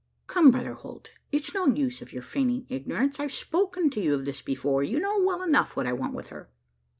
"Come, Brother Holt? it's no use your feigning ignorance. I've spoken to you of this before: you know well enough what I want with her."